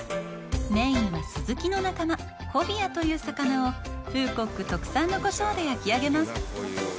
メインはスズキの仲間、コビアという魚をフーコック特産のコショウで焼き上げます。